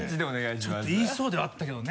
ちょっと言いそうではあったけどね